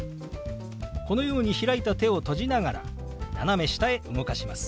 このように開いた手を閉じながら斜め下へ動かします。